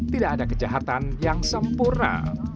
tidak ada kejahatan yang sempurna